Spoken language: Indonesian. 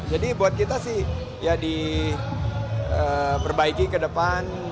jadi buat kita sih ya diperbaiki ke depan